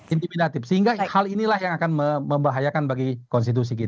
intimidatif sehingga hal inilah yang akan membahayakan bagi konstitusi kita